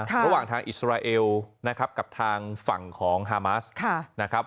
ระหว่างทางอิสราเอลนะครับกับทางฝั่งของฮามัสนะครับ